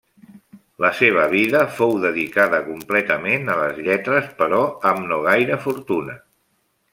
La seva vida fou dedicada completament a les lletres, però amb no gaire fortuna.